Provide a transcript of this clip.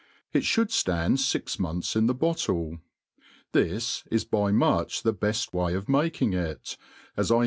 It fliould ftand fix months in the bottle, Jbis is by miich the beft wa^ of maki«ig it, as I